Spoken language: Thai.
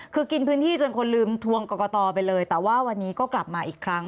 คือกินพื้นที่จนคนลืมทวงกรกตไปเลยแต่ว่าวันนี้ก็กลับมาอีกครั้ง